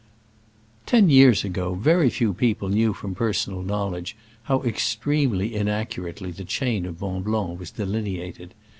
Ten years ago very few people knew from personal knowledge how extremely inaccurately the chain of Mont Blanc was delineated.